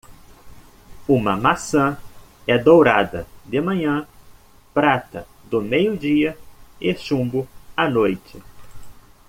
Uma maçã é dourada de manhã, prata do meio dia e chumbo à noite.